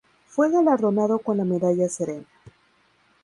Fue galardonado con la medalla Serena.